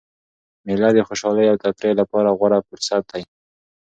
مېله د خوشحالۍ او تفریح له پاره غوره فرصت دئ.